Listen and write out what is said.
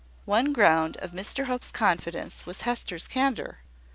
One ground of Mr Hope's confidence was Hester's candour.